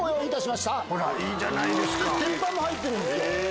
鉄板も入ってるんですよ